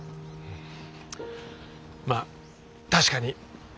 まあ確かに。